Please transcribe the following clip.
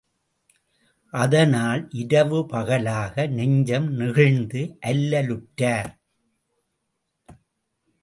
அதனால், இரவு பகலாக நெஞ்சம் நெகிழ்ந்து அல்லலுற்றார்.